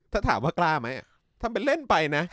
ถ้าถามว่ากล้าไหมทำเป็นเล่นไปนะ